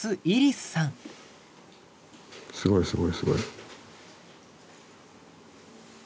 すごいすごいすごい。